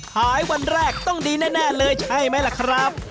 วันแรกต้องดีแน่เลยใช่ไหมล่ะครับ